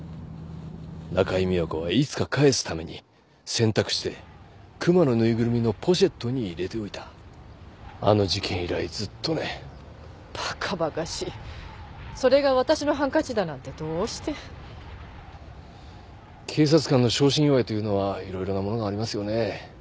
中井美和子はいつか返すために洗濯して熊のぬいぐるみのポシェットに入れておいたあの事件以来ずっとねバカバカしいそれが私のハンカチだなんてどうして警察官の昇進祝いというのはいろいろなものがありますよね